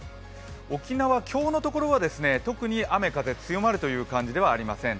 沖縄、今日のところは特に雨風強まるという感じではありません。